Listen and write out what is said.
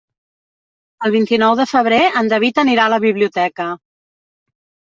El vint-i-nou de febrer en David anirà a la biblioteca.